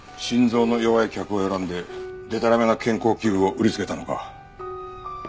心臓の弱い客を選んででたらめな健康器具を売りつけたのか。